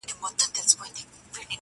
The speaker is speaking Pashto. پرهار ته مي راغلي مرهمونه تښتوي،